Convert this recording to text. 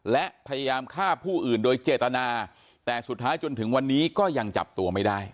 และพยายามฆ่าผู้อื่นโดยเจตนาแต่สุดท้ายจนถึงวันนี้ก็ยังจับตัวไม่ได้